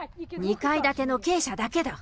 ２階建ての鶏舎だけだ。